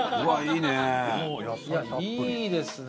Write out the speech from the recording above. いやいいですね。